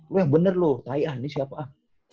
lo yang bener lo tai ah ini siapa ah